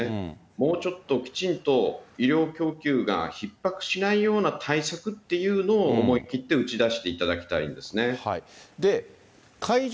もうちょっときちんと医療供給がひっ迫しないような対策っていうのを思い切って打ち出していただきたいんですね。